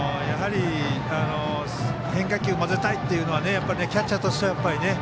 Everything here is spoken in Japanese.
変化球を交ぜたいというのはキャッチャーとしてはね。